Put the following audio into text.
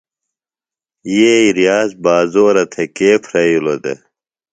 ݨ یئی ریاض بازورہ تھےۡ کے پھرئِلوۡ دےۡ؟